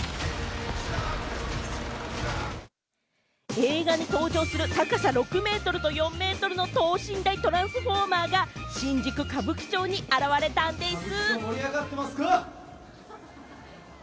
映画に登場する高さ６ｍと４ｍの等身大トランスフォーマーが新宿・歌舞伎町に現れたんでぃす。